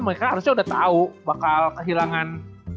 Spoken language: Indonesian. mereka harusnya udah tau bakal kehilangan